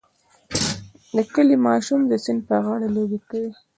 د کلي ماشوم د سیند په غاړه لوبې کوي.